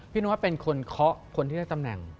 พี่นุ่มว่าเป็นคนเคาะคนที่ได้ตำแหน่ง